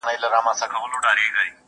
وايي خراب دي زموږ عملونه,